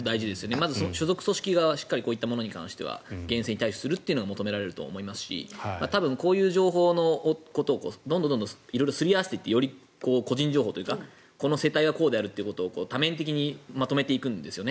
まず所属組織側はこういったものに対しては厳正に対処するというのが求められると思いますし多分、こういう情報のことをどんどん色々すり合わせていってより個人情報というかこの世帯はこうであるということを多面的にまとめていくんですね。